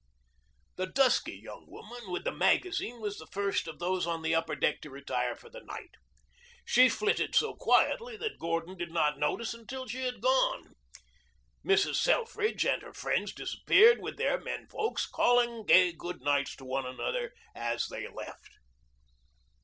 The dusky young woman with the magazine was the first of those on the upper deck to retire for the night. She flitted so quietly that Gordon did not notice until she had gone. Mrs. Selfridge and her friends disappeared with their men folks, calling gay good nights to one another as they left.